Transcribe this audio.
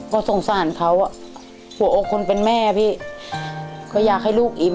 ก็สงสารเขาอ่ะหัวอกคนเป็นแม่พี่ก็อยากให้ลูกอิ่